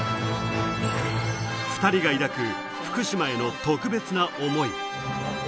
２人が抱く福島への特別な思い。